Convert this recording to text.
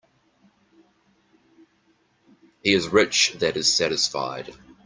He is rich that is satisfied.